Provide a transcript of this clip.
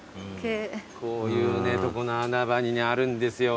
こういうとこの穴場にあるんですよ